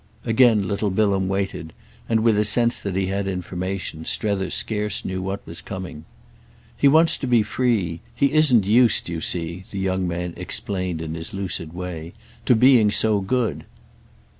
Again little Bilham waited, and, with a sense that he had information, Strether scarce knew what was coming. "He wants to be free. He isn't used, you see," the young man explained in his lucid way, "to being so good."